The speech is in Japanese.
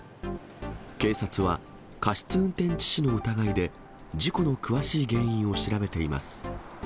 警察は、過失運転致死の疑いで、事故の詳しい原因を調べています。